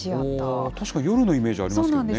確かに夜のイメージありますそうなんです。